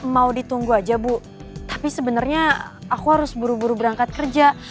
mau ditunggu aja bu tapi sebenarnya aku harus buru buru berangkat kerja